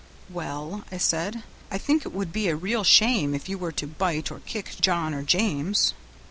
"Well," I said, "I think it would be a real shame if you were to bite or kick John or James."